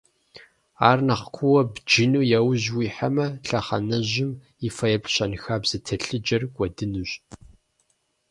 Ар нэхъ куууэ бджыну яужь уихьэмэ, лъэхъэнэжьым и фэеплъ щэнхабзэ телъыджэр кӀуэдынущ.